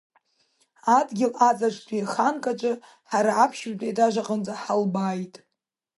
Адгьыл аҵаҿтәи ханк аҿы ҳара аԥшьбатәи аетаж аҟынӡа ҳалбааит.